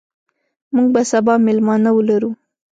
موږ به سبا میلمانه ولرو.